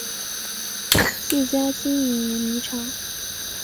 自家经营碾米厂